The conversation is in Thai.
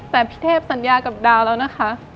แต่พี่เทพสัญญากับดาวแล้วนะคะ